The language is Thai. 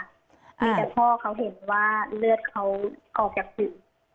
มีแต่พ่อเขาเห็นว่าเลือดเขาออกจากผื่น